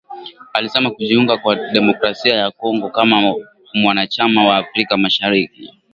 alisema kujiunga kwa Demokrasia ya Kongo kama mwanachama wa Afrika mashariki